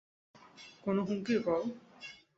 কোনো হুমকির কল?